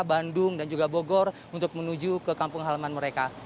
bandung dan juga bogor untuk menuju ke kampung halaman mereka